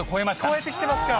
超えてきてますか。